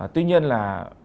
tuy nhiên là